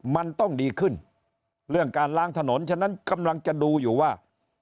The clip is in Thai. มันต้องดีขึ้นเรื่องการล้างถนนฉะนั้นกำลังจะดูอยู่ว่า